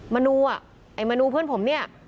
มนูอ่ะไอ้มนูเพื่อนผมเนี่ย